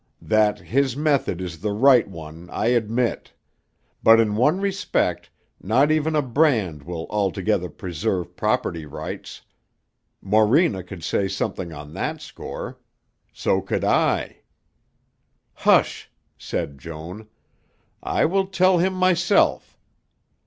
That his method is the right one, I admit. But in one respect not even a brand will altogether preserve property rights. Morena could say something on that score. So could I...." "Hush!" said Joan; "I will tell him myself.